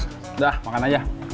udah makan aja